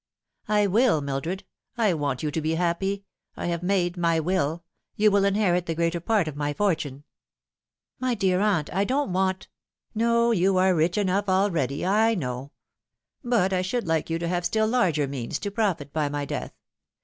" I will, Mildred. I want you to be happy. I have made my y/ill. You will inherit the greater part of my fortune." " My dear aunt, I don't want 298 The Fatal Three. " No, you are rich enough already, I know ; but I should like you to have still larger means, to profit by my death.